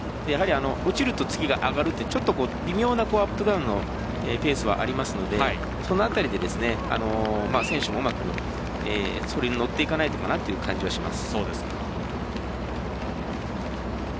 落ちると次が上がるという微妙なアップダウンのペースはありますのでその辺りで、選手もうまくそれに乗っていかないとかなという感じがします。